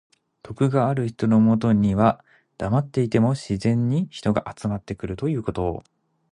徳がある人のもとにはだまっていても自然に人が集まってくるということ。